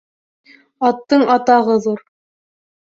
Аттың атағы ҙур.